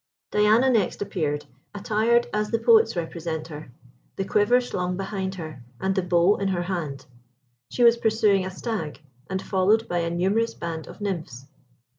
Diana next appeared, attired as the poets represent her, the quiver slung behind her, and the bow in her hand. She was pursuing a stag, and followed by a numerous band of Nymphs.